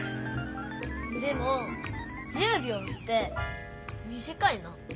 でも１０びょうってみじかいな。